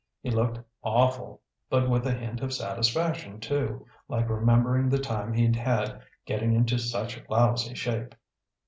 He looked awful but with a hint of satisfaction too, like remembering the time he'd had getting into such lousy shape.